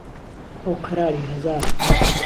ئهو قەراری ههزاره